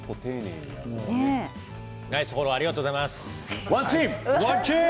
ナイスフォローありがとうございます。